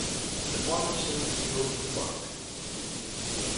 The farmer sowed the field with barley.